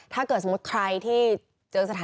ถ้าเกิดสมมติใครที่เจอสถานการณ์แบบนี้